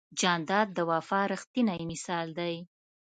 جانداد د وفا ریښتینی مثال دی.